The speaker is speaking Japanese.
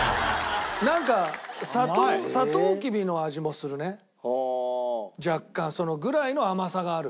なんかサトウキビの味もするね若干。ぐらいの甘さがある。